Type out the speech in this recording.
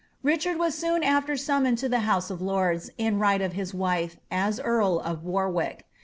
Richard was soon after summoned to the house of lords, in right of his wife, as earl of Warwick.